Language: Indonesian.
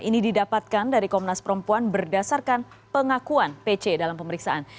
ini didapatkan dari komnas perempuan berdasarkan pengakuan pc dalam pemeriksaan